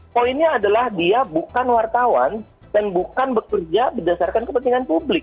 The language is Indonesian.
poinnya adalah dia bukan wartawan dan bukan bekerja berdasarkan kepentingan publik